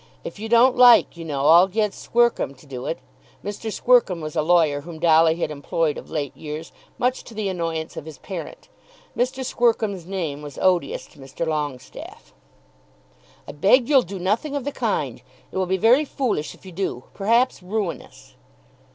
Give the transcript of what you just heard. If you don't like, you know, I'll get Squercum to do it." Mr. Squercum was a lawyer whom Dolly had employed of late years much to the annoyance of his parent. Mr. Squercum's name was odious to Mr. Longestaffe. "I beg you'll do nothing of the kind. It will be very foolish if you do; perhaps ruinous."